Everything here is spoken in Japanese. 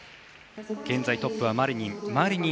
現在トップはマリニン。